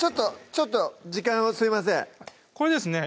ちょっと時間をすいませんこれですね